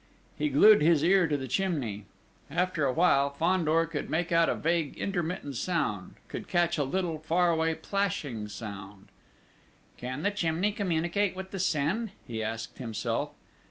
He glued his ear to the chimney. After a while, Fandor could make out a vague, intermittent sound could catch a little, far away, plashing sound. "Can the chimney communicate with the Seine?" he asked himself.